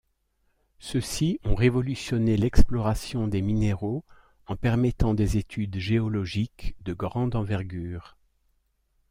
Ceux-ci ont révolutionné l'exploration des minéraux en permettant des études géologiques de grande envergure.